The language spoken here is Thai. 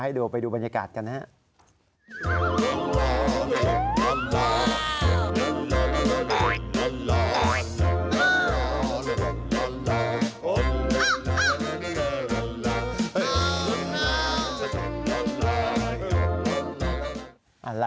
ให้ดูไปดูบรรยากาศกันนะ